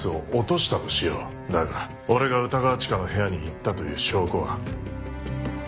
だが俺が歌川チカの部屋に行ったという証拠は？